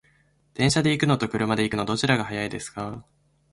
電車で行くのと車で行くの、どちらが早いですか？